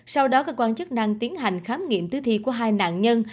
sau đó các quan chức năng tiến hành khám nghiệm tư thi của hai nạn nhân